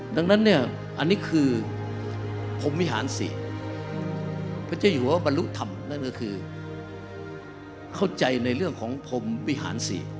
ดังนั้นเนี่ยอันนี้คือพรมวิหาร๔พระเจ้าอยู่หัวบรรลุธรรมนั่นก็คือเข้าใจในเรื่องของพรมวิหาร๔